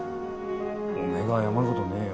おめえが謝るごどねえよ。